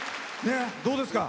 どうですか？